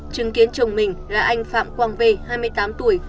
chứng kiến chồng mình là anh phạm quang v hai mươi tám tuổi